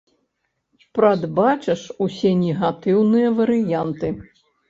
Прадбачыш усе негатыўныя варыянты.